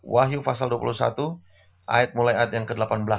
wahyu fasal dua puluh satu mulai ayat yang ke delapan belas